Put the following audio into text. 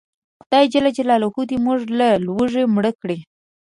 خدای ج دې موږ له لوږې مړه کړي